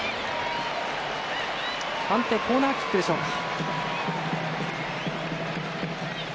判定、コーナーキックでしょうか。